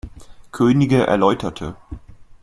Könige erläuterte.